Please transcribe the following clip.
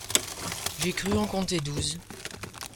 J’ai cru en compter douze. ..